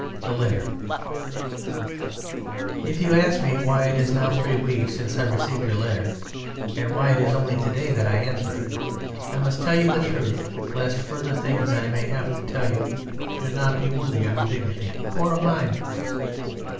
The Letter If you ask me why it is now three weeks since I received your letter and why it is only today that I answer it, I must tell you the truth lest further things I may have to tell you should not be worthy of your dignity or of mine.